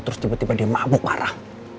terus tiba tiba dia mabuk marah